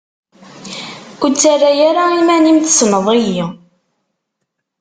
Ur ttarra ara iman-im tessneḍ-iyi.